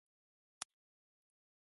ほら、ごめん